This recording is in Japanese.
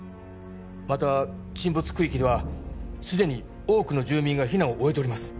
また沈没区域ではすでに多くの住民が避難を終えております